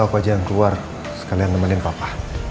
pak jalan keluar sekalian nemenin papa